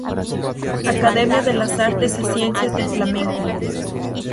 Academia de las artes y ciencias del Flamenco.